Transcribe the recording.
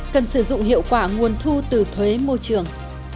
cần sử dụng hiệu quả nguồn thu từ thuế môi trường